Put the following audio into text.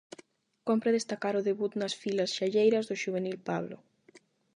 Cómpre destacar o debut nas filas xalleiras do xuvenil Pablo.